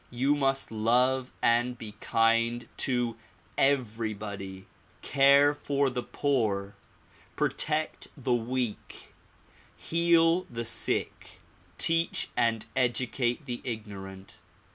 You must love and be kind to everybody, care for the poor, protect the weak, heal the sick, teach and educate the ignorant.